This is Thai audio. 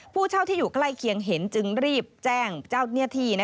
ผู้เช่าที่อยู่ใกล้เคียงเห็นจึงรีบแจ้งเจ้าหน้าที่